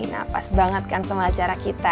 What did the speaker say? nah pas banget kan sama acara kita